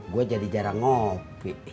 gue jadi jarang ngopi